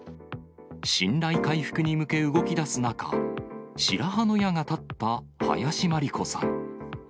信頼回復に向け動きだす中、白羽の矢が立った林真理子さん。